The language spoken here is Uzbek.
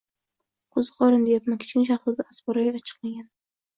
Qo‘ziqorin, deyapman! — Kichkina shahzoda azboroyi achchiqlanganidan